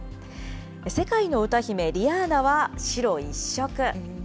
世界の歌姫、リアーナは白一色。